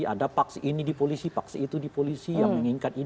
ada paks ini di polisi paks itu di polisi yang mengingkat ini